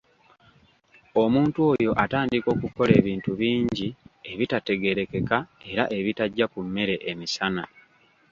Omuntu oyo atandika okukola ebintu bingi ebitategeerekeka era ebitajja ku mmere emisana!